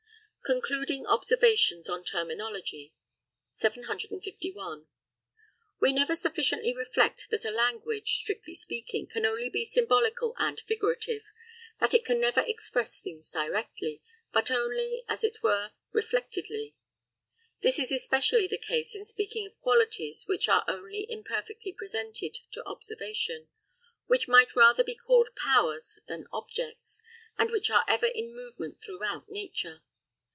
CONCLUDING OBSERVATIONS ON TERMINOLOGY. 751. We never sufficiently reflect that a language, strictly speaking, can only be symbolical and figurative, that it can never express things directly, but only, as it were, reflectedly. This is especially the case in speaking of qualities which are only imperfectly presented to observation, which might rather be called powers than objects, and which are ever in movement throughout nature.